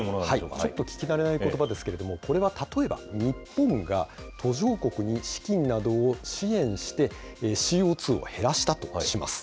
ちょっと聞き慣れないことばですけれども、これは例えば、日本が途上国に資金などを支援して、ＣＯ２を減らしたとします。